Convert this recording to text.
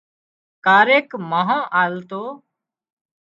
ڪاريڪ مانه آلتو